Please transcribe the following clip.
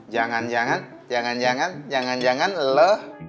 jangan jangan jangan jangan jangan jangan lo